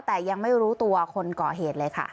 แต่ยังไม่รู้ตัวคนก่อเหตุเลยค่ะ